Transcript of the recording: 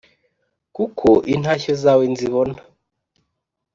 Kuko intashyo zawe nzibona